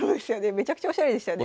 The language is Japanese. めちゃくちゃおしゃれでしたね。